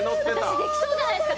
私できそうじゃないですか？